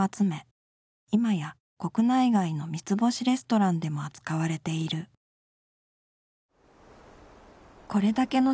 今や国内外の三つ星レストランでも扱われているだってはぁ。